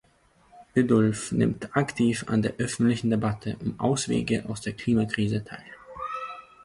Biddulph nimmt aktiv an der öffentlichen Debatte um Auswege aus der Klimakrise teil.